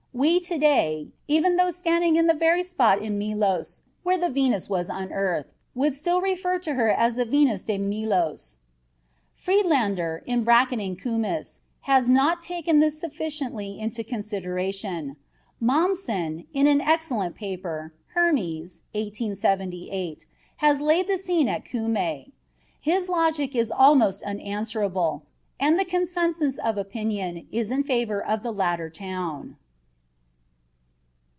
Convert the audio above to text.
We today, even though standing upon the very spot in Melos where the Venus was unearthed, would still refer to her as the Venus de Melos. Friedlaender, in bracketing Cumis, has not taken this sufficiently into consideration. Mommsen, in an excellent paper (Hermes, 1878), has laid the scene at Cumae. His logic is almost unanswerable, and the consensus of opinion is in favor of the latter town.